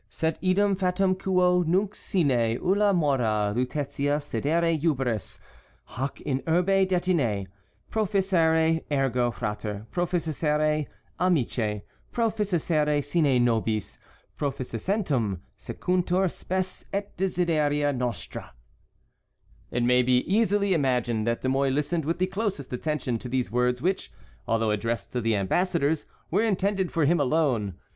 Sed idem fatum quo nunc sine ullâ morâ Lutetiâ cedere juberis, hac in urbe detinet. Proficiscere ergo, frater; proficiscere, amice; proficiscere sine nobis; proficiscentem sequuntur spes et desideria nostra." It may easily be imagined that De Mouy listened with the closest attention to these words which, although addressed to the ambassadors, were intended for him alone.